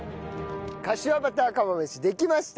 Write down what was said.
かしわバター釜飯できました。